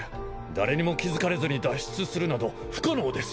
誰にも気付かれずに脱出するなど不可能です。